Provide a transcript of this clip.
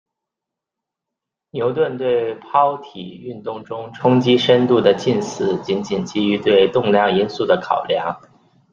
牛顿对抛体运动中冲击深度的近似仅仅基于对动量因素的考量。